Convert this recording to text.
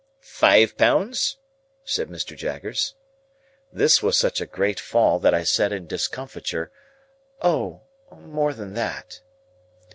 "Five pounds?" said Mr. Jaggers. This was such a great fall, that I said in discomfiture, "O, more than that."